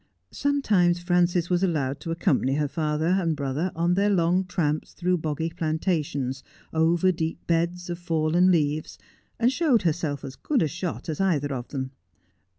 Sometimes Prances was allowed to accompany her father and brother on their long tramps through boggy plantations, over deep beds of fallen leaves, and showed herself as good a shot as either of them.